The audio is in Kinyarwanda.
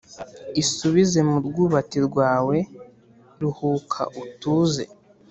Isubize mu rwubati rwawe ruhuka utuze